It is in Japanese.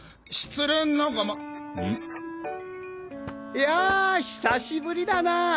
いやあ久しぶりだなぁ！